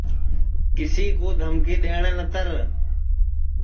کسی کُو دھمکی دؔیٹؔے نتر